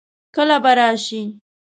کله به راشي؟